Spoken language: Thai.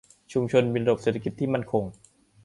ชุมชนมีระบบเศรษฐกิจที่มั่นคง